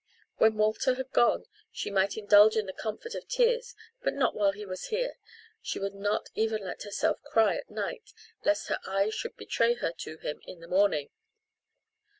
When Walter had gone she might indulge in the comfort of tears, but not while he was here. She would not even let herself cry at night, lest her eyes should betray her to him in the morning.